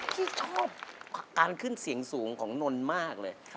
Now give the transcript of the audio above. ที่ชอบการขึ้นเสียงสูงของนนท์มากเลย